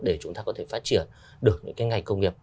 để chúng ta có thể phát triển được những cái ngành công nghiệp